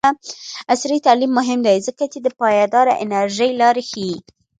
عصري تعلیم مهم دی ځکه چې د پایداره انرژۍ لارې ښيي.